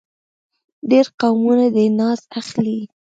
ډېر قومونه دې ناز اخلي.